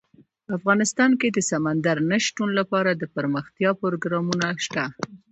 افغانستان کې د سمندر نه شتون لپاره دپرمختیا پروګرامونه شته.